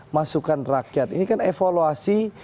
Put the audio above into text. masukan rakyat ini kan evaluasi